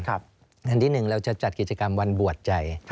อันที่๑เราจะจัดกิจกรรมวันบวชใจ